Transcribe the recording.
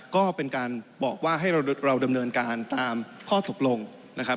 ก็เป็นการบอกว่าให้เราดำเนินการตามข้อตกลงนะครับ